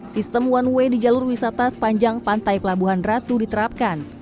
sistem one way di jalur wisata sepanjang pantai pelabuhan ratu diterapkan